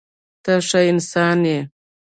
ته ښه انسان یې.